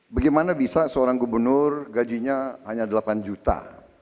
bagaimana bisa seorang gubernur gajinya hanya delapan juta